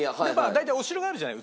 大体お城があるじゃない。